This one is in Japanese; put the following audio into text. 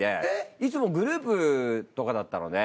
いつもグループとかだったので。